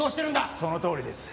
そのとおりです。